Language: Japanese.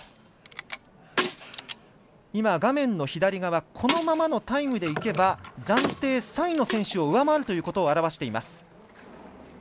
今、画面の左側このままのタイムでいけば暫定３位の選手を上回るということを表しています。